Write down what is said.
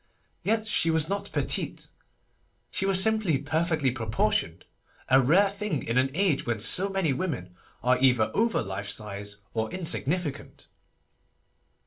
Yet she was not petite. She was simply perfectly proportioned—a rare thing in an age when so many women are either over life size or insignificant.